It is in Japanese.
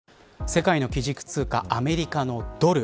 世界の基軸通貨アメリカのドル。